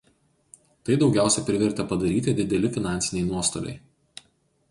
Tai daugiausia privertė padaryti dideli finansiniai nuostoliai.